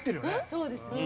そうですね。